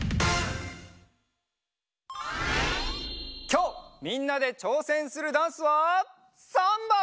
きょうみんなでちょうせんするダンスはサンバ！